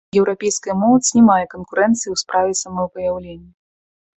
Еўрапейская моладзь не мае канкурэнцыі ў справе самавыяўлення.